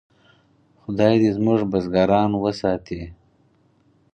خدای دې زموږ بزګران وساتي.